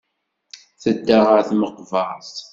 Tedda ɣer tmeqbert.